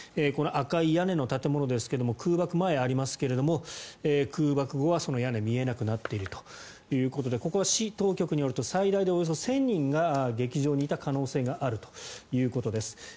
この赤い屋根の建物ですが空爆前がありますが空爆後はその屋根が見えなくなっているということでここは市当局によると最大で１０００人が劇場にいた可能性があるということです。